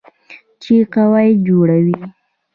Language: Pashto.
چې قواعد جوړوي.